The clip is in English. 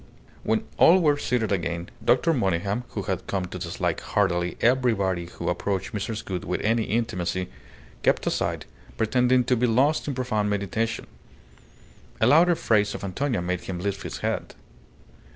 When all were seated again, Dr. Monygham, who had come to dislike heartily everybody who approached Mrs. Gould with any intimacy, kept aside, pretending to be lost in profound meditation. A louder phrase of Antonia made him lift his head.